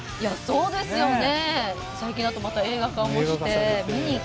そうなんですよね。